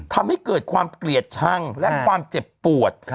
ทำให้เกิดความเกลียดชังและความเจ็บปวด